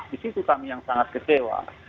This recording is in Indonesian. di situ kami yang sangat kecewa